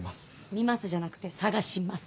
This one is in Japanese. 「みます」じゃなくて「探します」。